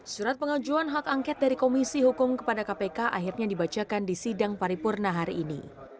surat pengajuan hak angket dari komisi hukum kepada kpk akhirnya dibacakan di sidang paripurna hari ini